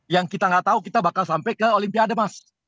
yang kita nggak tahu kita bakal sampai ke olimpiade mas